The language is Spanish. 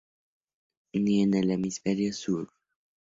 Ni en el hemisferio Sur.